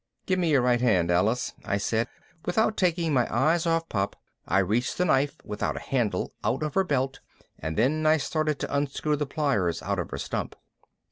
"Give me your right hand, Alice," I said. Without taking my eyes off Pop I reached the knife without a handle out of her belt and then I started to unscrew the pliers out of her stump.